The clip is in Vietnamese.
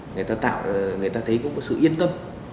người ta thấy có một sự yên tâm